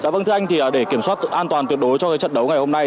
vâng thưa anh thì để kiểm soát tự an toàn tuyệt đối cho trận đấu ngày hôm nay